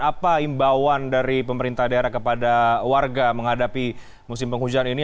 apa imbauan dari pemerintah daerah kepada warga menghadapi musim penghujan ini